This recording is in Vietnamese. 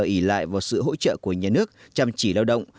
ỉ lại vào sự hỗ trợ của nhà nước chăm chỉ lao động